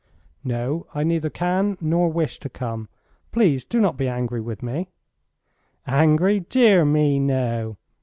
"No. I neither can nor wish to come. Please do not be angry with me." "Angry? Dear me, no.